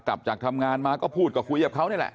กลับจากทำงานมาก็พูดก็คุยกับเขานี่แหละ